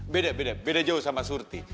beda beda beda jauh sama surti